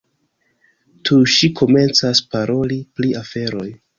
Tuj ŝi komencas paroli pri aferoj.